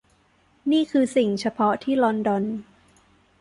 นี่คือสิ่งเฉพาะที่ลอนดอน